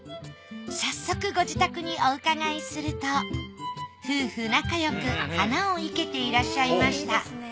早速ご自宅におうかがいすると夫婦仲よく花を生けていらっしゃいました。